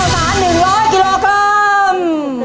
ข้าวฟ้า๑๐๐กิโลกรัม